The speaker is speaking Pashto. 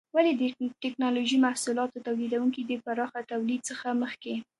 ولې د ټېکنالوجۍ محصولاتو تولیدونکي د پراخه تولید څخه مخکې؟